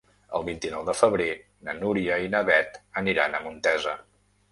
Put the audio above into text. El vint-i-nou de febrer na Núria i na Beth aniran a Montesa.